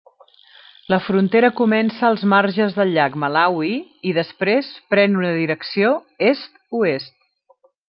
La frontera comença als marges del llac Malawi i després pren una direcció est-oest.